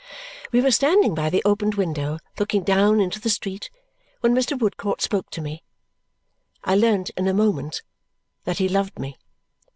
We were standing by the opened window looking down into the street when Mr. Woodcourt spoke to me. I learned in a moment that he loved me.